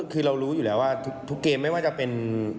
คือเรารู้อยู่แล้วว่าทุกเกมไม่ว่าจะเป็น